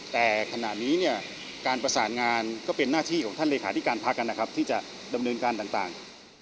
แต่ขณะนี้เนี่ยการประสานงานก็เป็นหน้าที่ของท่านเลขาธิการพักนะครับที่จะดำเนินการต่าง